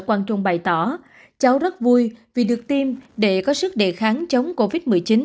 quang trung bày tỏ cháu rất vui vì được tiêm để có sức đề kháng chống covid một mươi chín